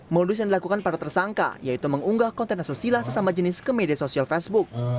modus yang dilakukan para tersangka yaitu mengunggah konten asusila sesama jenis ke media sosial facebook